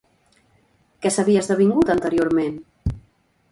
Què s'havia esdevingut, anteriorment?